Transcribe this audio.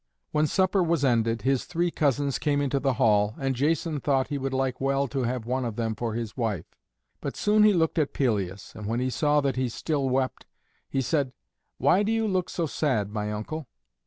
When supper was ended his three cousins came into the hall, and Jason thought he would like well to have one of them for his wife. But soon he looked at Pelias, and when he saw that he still wept, he said, "Why do you look so sad, my uncle?"